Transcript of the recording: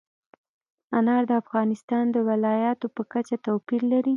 انار د افغانستان د ولایاتو په کچه توپیر لري.